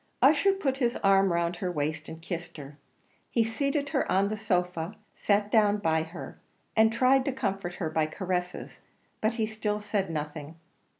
Ussher put his arm round her waist and kissed her; he seated her on the sofa sat down by her and tried to comfort her by caresses: but he still said nothing.